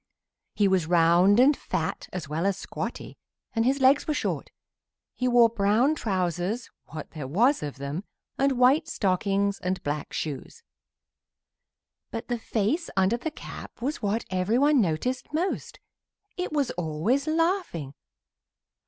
He was round and fat, as well as squatty, and his legs were short. He wore brown trousers (what there was of them) and white stockings and black shoes. But the face under the cap was what everyone noticed most; it was always laughing.